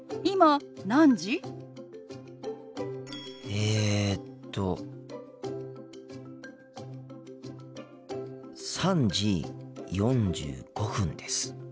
えっと３時４５分です。